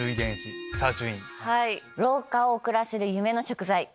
「老化を遅らせる夢の食材」！